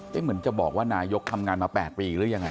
เหมือนจะบอกว่านายกทำงานมา๘ปีหรือยังไง